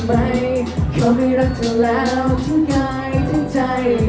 ไม่มีเขาแล้วฉันทำไม